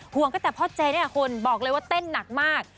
ตั้งแต่พ่อเจนี่คุณบอกเลยว่าเต้นหนักมาก